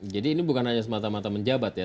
jadi ini bukan hanya semata mata menjabat ya